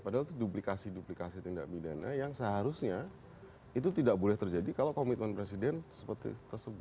padahal itu duplikasi duplikasi tindak pidana yang seharusnya itu tidak boleh terjadi kalau komitmen presiden seperti tersebut